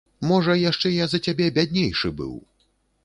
Можа яшчэ я за цябе бяднейшы быў!